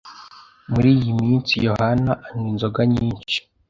Muri iyi minsi Yohana anywa inzoga nyinshi.